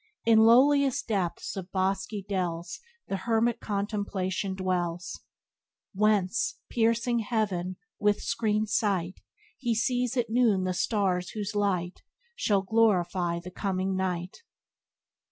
In lowliest depths of bosky dells The hermit Contemplation dwells, Whence, piercing heaven, with screened sight, He sees at noon the stars, whose light Shall glorify the coming night."